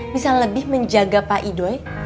bisa lebih menjaga pak idoy